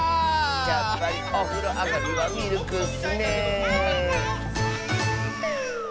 やっぱりおふろあがりはミルクッスねえ。